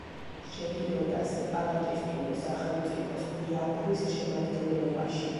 შედიოდა სეპარატისტული სახელმწიფოს ბიაფრის შემადგენლობაში.